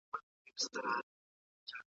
ابن خلدون د ټولني د انحطاط پراخه څېړنه کړې ده.